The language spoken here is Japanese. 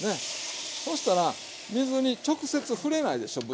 そうしたら水に直接触れないでしょう